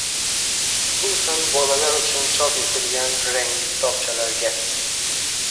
Xususan, bolalar uchun chop etilgan rangli kitobchalarga.